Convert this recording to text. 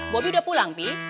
bobby udah pulang pi